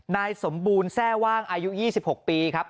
นายสมบูรณ์แทร่ว่างอายุ๒๖ปีครับ